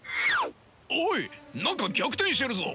おい何か逆転してるぞ！